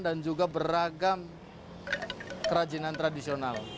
juga beragam kerajinan tradisional